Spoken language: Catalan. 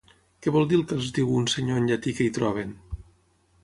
Què vol dir el que els diu un senyor en llatí que hi troben?